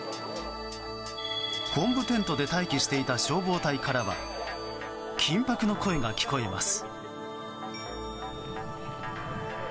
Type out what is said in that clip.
本部テントで待機していた消防隊からは緊迫の声が聞こえます。